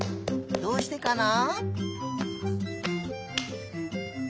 どうしてかな？